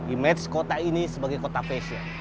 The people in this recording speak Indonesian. image kota ini sebagai kota fashion